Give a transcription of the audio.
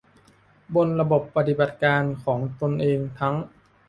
บนระบบปฏิบัติการของตนเองทั้ง